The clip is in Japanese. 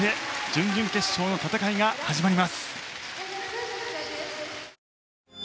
準々決勝の戦いが始まります。